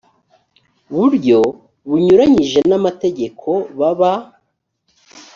buryo bunyuranyije n amategeko baba